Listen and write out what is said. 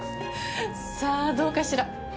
さあどうかしら。